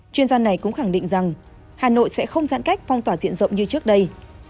chuyên gia này cũng khẳng định rằng hà nội sẽ không giãn cách phong tỏa diện rộng như trước đây